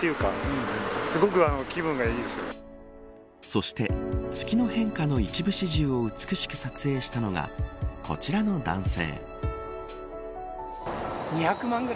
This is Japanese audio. そして月の変化の一部始終を美しく撮影したのがこちらの男性。